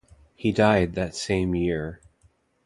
He died that same year.